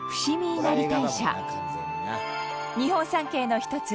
日本三景の一つ